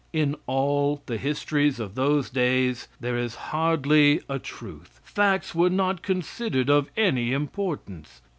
In all the histories of those days there is hardly a truth. Facts were not considered of any importance.